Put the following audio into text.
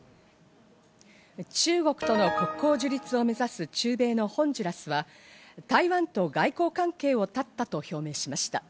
中国との国交樹立を目指す中米のホンジュラスは台湾と外交関係を絶ったと表明しました。